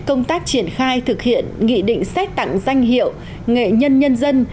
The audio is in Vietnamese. công tác triển khai thực hiện nghị định xét tặng danh hiệu nghệ nhân nhân dân